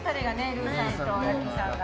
ルーさんと、ラッキィさんが。